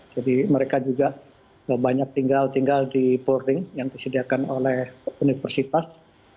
jadi mereka juga banyak tinggal tinggal di boarding yang disediakan oleh universitas